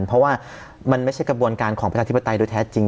เพราะว่ามันไม่ใช่กระบวนการของประชาธิปไตยโดยแท้จริง